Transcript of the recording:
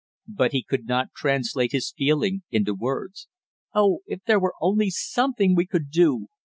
But he could not translate his feeling into words. "Oh, if there were only something we could do!"